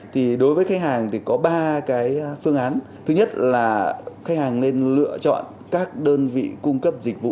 thì từ từ mới làm một sợi xích